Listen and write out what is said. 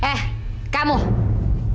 taruh tas kamu ke sana ya